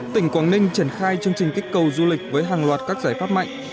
tỉnh quảng ninh triển khai chương trình kích cầu du lịch với hàng loạt các giải pháp mạnh